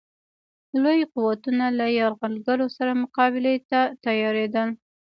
لوی قوتونه له یرغلګر سره مقابلې ته تیارېدل.